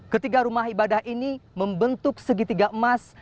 ketiga rumah ibadah ini membentuk segitiga emas